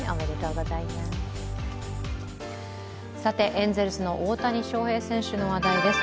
エンゼルスの大谷翔平選手の話題です。